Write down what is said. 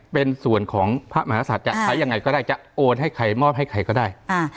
เป็นส่วนของพระมหาศัตริย์จะใช้ยังไงก็ได้จะโอนให้ใครมอบให้ใครก็ได้